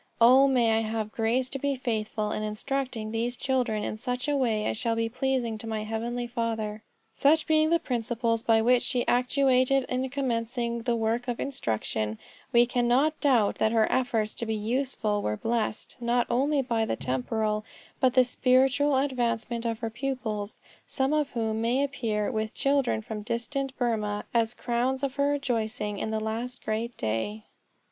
O may I have grace to be faithful in instructing these children in such a way as shall be pleasing to my heavenly Father." Such being the principles by which she was actuated in commencing the work of instruction, we cannot doubt that her efforts to be useful were blessed not only by the temporal, but the spiritual advancement of her pupils, some of whom may appear, with children from distant Burmah, as crowns of her rejoicing in the last great day.